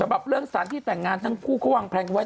สำหรับเรื่องสารที่แต่งงานตั้งผู้คว้องแพร่งไว้